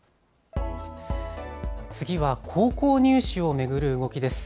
次は高校入試を巡る動きです。